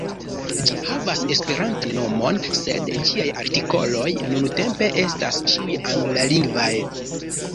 Ĝi havas Esperantan nomon, sed ĝiaj artikoloj nuntempe estas ĉiuj anglalingvaj.